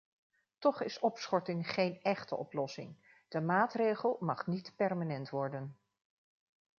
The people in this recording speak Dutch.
Toch is opschorting geen echte oplossing; de maatregel mag niet permanent worden.